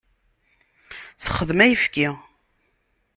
Sexdem ayfki.